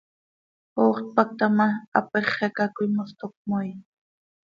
Ox tpacta ma, hapéxeca coi mos toc cömoii.